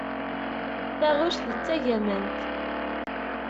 Taɣect d tagamant.